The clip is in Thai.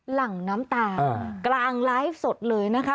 หลังน้ำตากลางไลฟ์สดเลยนะคะ